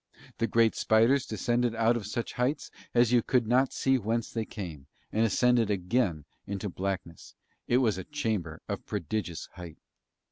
The great spiders descended out of such heights that you could not see whence they came, and ascended again into blackness; it was a chamber of prodigious height.